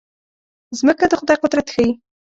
مځکه د خدای قدرت ښيي.